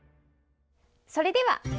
それでは。